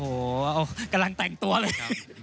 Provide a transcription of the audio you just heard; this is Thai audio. โอ้โหกำลังแต่งตัวเลย